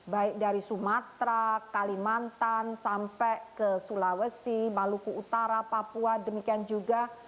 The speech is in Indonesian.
baik dari sumatera kalimantan sampai ke sulawesi maluku utara papua demikian juga